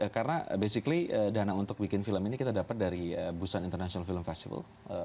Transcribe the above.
karena basically dana untuk bikin film ini kita dapat dari busan international film festival